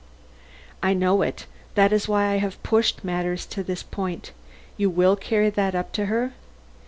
"I know it; that is why I have pushed matters to this point. You will carry that up to her?"